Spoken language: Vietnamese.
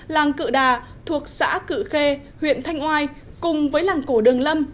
làng cự đà thuộc xã cự khê huyện thanh oai cùng với làng cổ đường lâm